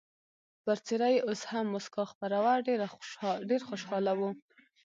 پر څېره یې اوس هم مسکا خپره وه، ډېر خوشحاله و.